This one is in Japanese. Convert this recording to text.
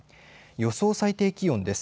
予想最低気温です。